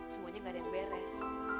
semuanya gak ada yang beres